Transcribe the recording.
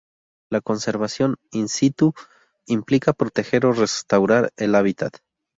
La conservación "in situ" implica proteger o restaurar el hábitat.